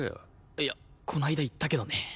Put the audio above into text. いやこの間言ったけどね。